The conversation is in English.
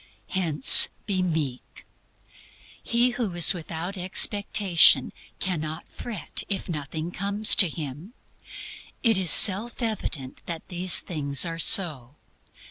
Hence, be meek. He who is without expectation cannot fret if nothing comes to him. It is self evident that these things are so.